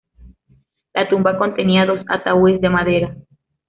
La tumba contenía dos ataúdes de madera.